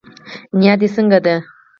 نيا دي څنګه ده